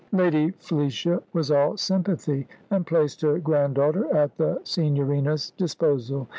Lady Felicia was all sympathy, and placed her granddaughter at the Signorina's disposal.